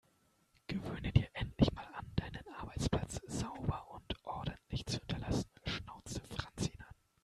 Gewöhne dir endlich mal an, deinen Arbeitsplatz sauber und ordentlich zu hinterlassen, schnauzte Franz ihn an.